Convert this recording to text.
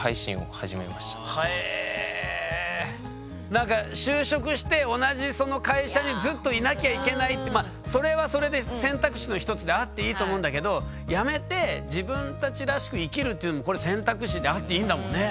何か就職して同じその会社にずっといなきゃいけないってまあそれはそれで選択肢の一つであっていいと思うんだけど辞めて自分たちらしく生きるっていうのもこれ選択肢であっていいんだもんね。